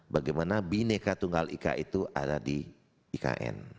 bagaimana bineka tunggal ika itu ada di ikn